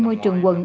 môi trường quận